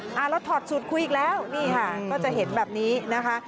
แล้วถอดสูตรคุยอีกแล้วนี่ค่ะก็จะเห็นแบบนี้นะคะ